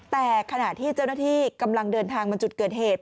แต่ขณะที่เจ้าหน้าที่กำลังเดินทางมาจุดเกิดเหตุ